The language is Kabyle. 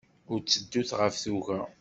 Ur tteddut ɣef tuga.